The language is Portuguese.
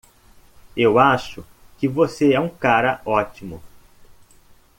Eu acho que você é um cara ótimo.